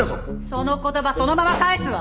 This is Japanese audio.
その言葉そのまま返すわ！